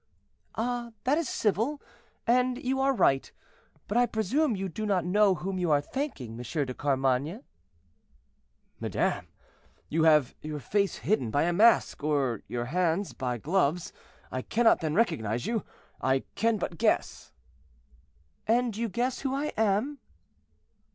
"Ah! that is civil, and you are right; but I presume you do not know whom you are thanking, M. de Carmainges." "Madame, you have your face hidden by a mask and your hands by gloves; I cannot then recognize you—I can but guess." "And you guess who I am?"